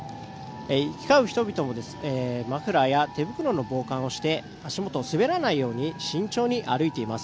行き交う人々もマフラーや手袋の防寒をして足元、滑らないように慎重に歩いています。